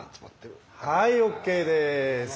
はいＯＫです。